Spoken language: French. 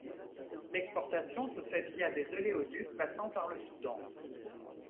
L'exportation se fait via des oléoducs passant par le Soudan.